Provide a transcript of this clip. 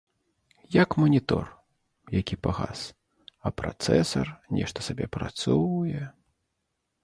Як манітор, які пагас, а працэсар нешта сабе працуе.